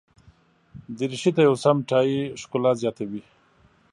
دریشي ته یو سم ټای ښکلا زیاتوي.